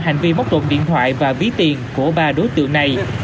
hành vi móc lột điện thoại và ví tiền của ba đối tượng này